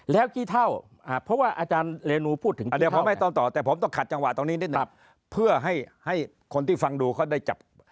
แล้วกี่เท่าอ่ะเพราะว่าอาจารย์เรนูพูดถึงเอาให้ต่อแต่ผมต้องขัดจังหวะตรงนี้นิดหนึ่งเพื่อให้ให้คนที่ฟังดูเขาได้จับครับ